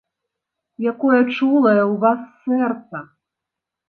Якое чулае ў вас сэрца!